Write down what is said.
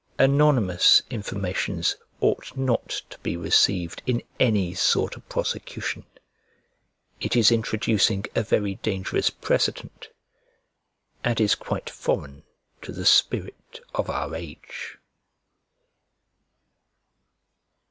Anonymous informations ought not to be received in any sort of prosecution. It is introducing a very dangerous precedent, and is quite foreign to the spirit of our age.